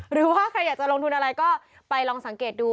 หรือว่าใครอยากจะลงทุนอะไรก็ไปลองสังเกตดู